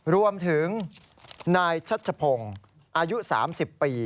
รวมถึงนายชัชพงศ์อายุ๓๐ปี